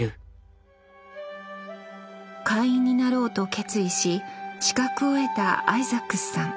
会員になろうと決意し資格を得たアイザックスさん。